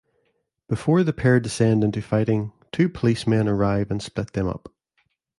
Before the pair descend into fighting, two policemen arrive and split them up.